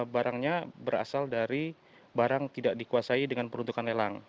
barangnya berasal dari barang tidak dikuasai dengan peruntukan lelang